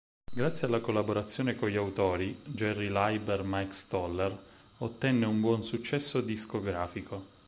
Grazie alla collaborazione con gli autori Jerry Leiber-Mike Stoller ottenne un buon successo discografico.